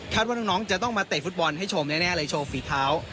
ว่าน้องจะต้องมาเตะฟุตบอลให้ชมแน่เลยโชว์ฝีเท้า